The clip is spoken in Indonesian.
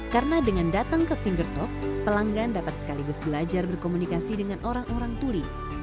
karena dengan datang ke finger talk pelanggan dapat sekaligus belajar berkomunikasi dengan orang orang tuli